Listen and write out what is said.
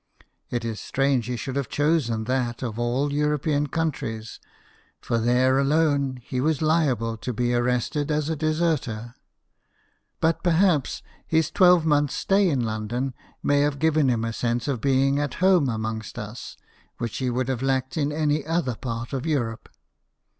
It is strange he should have chosen that, of all European countries ; for there alone he was liable to be arrested as a deserter : but perhaps his twelvemonth's stay in London may have given him a sense of being at home amongst us which he would have lacked in any other part of Europe.